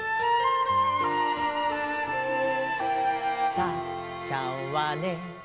「サッちゃんはね」